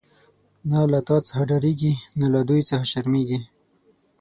نه له تا څخه ډاريږی، نه له دوی څخه شرميږی